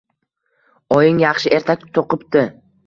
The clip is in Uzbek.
Oying yaxshi ertak to`qibdi